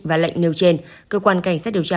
và lệnh nêu trên cơ quan cảnh sát điều tra